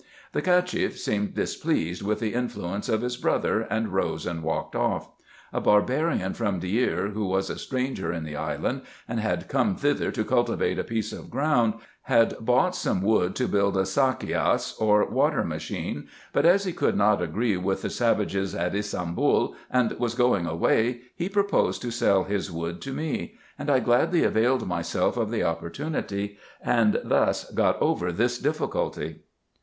The Cacheff seemed displeased with the influence of his brother, and rose and walked off. A barbarian from Deir, who was a stranger in the island, and had come thither to cultivate a piece of ground, had bought some wood to build a sakias, or water machine ; but as he could not agree with the savages at Ybsambul, and was going away, he proposed to sell his wood to me ; and I gladly availed myself of the opportunity, and thus got over this difficulty.